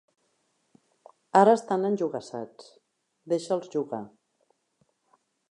Ara estan enjogassats: deixa'ls jugar.